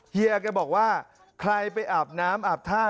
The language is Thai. เฮียแกบอกว่าใครไปอาบน้ำอาบท่า